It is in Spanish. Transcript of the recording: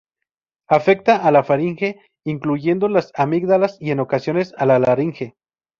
Afecta a la faringe incluyendo las amígdalas y en ocasiones a la laringe.